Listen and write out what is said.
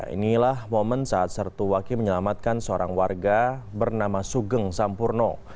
inilah momen saat sertu waki menyelamatkan seorang warga bernama sugeng sampurno